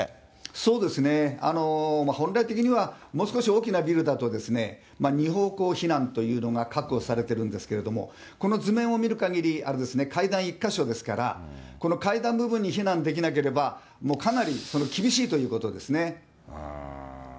そうですね、本来的にはもう少し大きなビルだと、２方向避難というのが、確保されてるんですけれども、この図面を見るかぎりあれですね、階段１か所ですから、この階段部分に避難できなければ、もうかなり厳しいということですね。